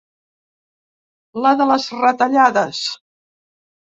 La de les retallades.